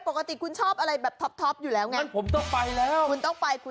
ปกติคุณชอบอะไรแบบท็อปอยู่แล้วไง